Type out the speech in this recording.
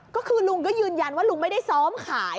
ก็คือลุงก็ยืนยันว่าลุงไม่ได้ซ้อมขาย